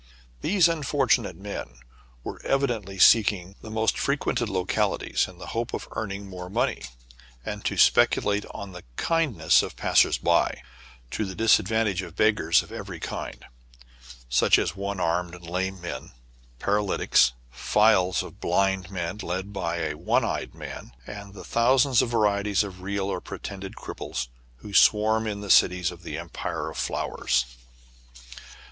These unfortunate men were evidently seeking the most frequented localities in the hope of earn ing more money, and to speculate on the kindness of passers by, to the disadvantage of beggars of every kind ; such as one armed and lame men, par alytics, files of blind men led by a one eyed man, and the thousand varieties of real or pretended cripples who swarm in the cities of the Empire of Flowers. l6o TRIBULATIONS OF A CHINAMAN.